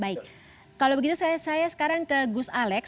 baik kalau begitu saya sekarang ke gus alex